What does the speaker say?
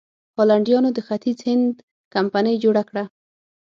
هالنډیانو د ختیځ هند کمپنۍ جوړه کړه.